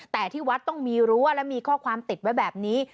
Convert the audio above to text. แต่ที่วัดต้องมีรั้วและมีข้อความติดไว้แบบนี้